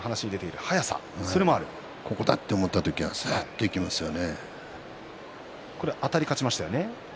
ここだと思った時あたり勝ちましたよね。